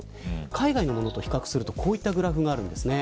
海外のものと比較するとこういうグラフがあるんですね。